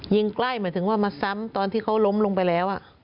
ใกล้หมายถึงว่ามาซ้ำตอนที่เขาล้มลงไปแล้ว